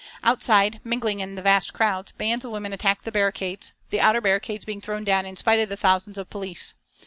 Outside, mingling in the vast crowds, bands of women attacked the barricades, the outer barricades being thrown down in spite of the thousands of police.